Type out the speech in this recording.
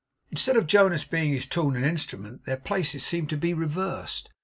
Instead of Jonas being his tool and instrument, their places seemed to be reversed.